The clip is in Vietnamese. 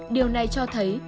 điều này cho thấy